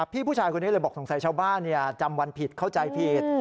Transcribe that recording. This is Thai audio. ผู้ชายคนนี้เลยบอกสงสัยชาวบ้านจำวันผิดเข้าใจผิด